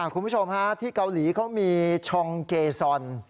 คุณผู้ชมฮะที่เกาหลีเขามีชองเกซอน